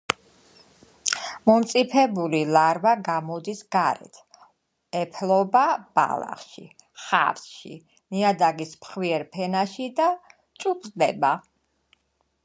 მომწიფებული ლარვა გამოდის გარეთ, ეფლობა ბალახში, ხავსში, ნიადაგის ფხვიერ ფენაში და ჭუპრდება.